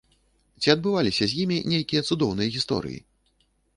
Ці адбываліся з імі нейкія цудоўныя гісторыі?